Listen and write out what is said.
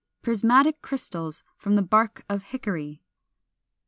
Prismatic crystals from the bark of Hickory.